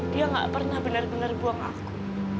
dia gak pernah benar benar buang aku